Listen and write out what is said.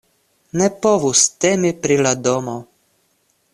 Ne povus temi pri la domo.